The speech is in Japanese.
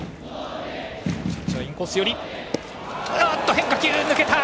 変化球、抜けた。